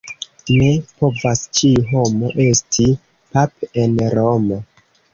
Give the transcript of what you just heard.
Ne povas ĉiu homo esti pap' en Romo.